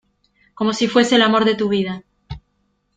como si fuese el amor de tu vida.